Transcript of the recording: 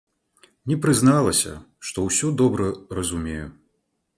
Не прызналася, што ўсё добра разумею.